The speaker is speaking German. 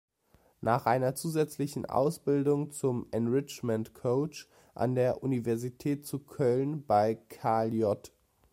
Nach einer zusätzlichen Ausbildung zum Enrichment-Coach an der Universität zu Köln bei Karl-J.